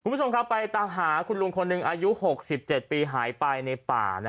คุณผู้ชมครับไปตามหาคุณลุงคนหนึ่งอายุ๖๗ปีหายไปในป่า